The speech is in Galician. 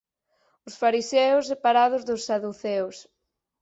Os fariseos separados dos saduceos.